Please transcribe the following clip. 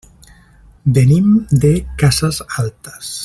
Venim de Casas Altas.